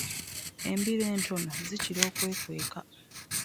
Embiro entono zikiea okwekweka .